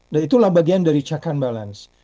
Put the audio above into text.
dan itulah bagian dari check and balance